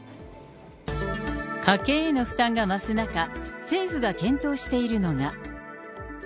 家計への負担が増す中、政府が検討しているのが。